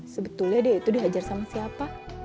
sebetulnya dia itu dihajar sama siapa